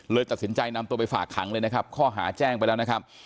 ตัดสินใจนำตัวไปฝากขังเลยนะครับข้อหาแจ้งไปแล้วนะครับ